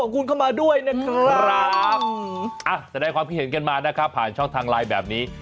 ครับจะได้ความคิดเห็นเกินมาผ่านช่องแบบนี้